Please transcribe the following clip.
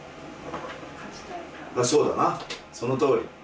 そうだなそのとおり。